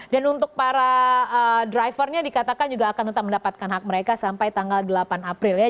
dan untuk para drivernya dikatakan juga akan tetap mendapatkan hak mereka sampai tanggal delapan april ya